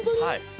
はい。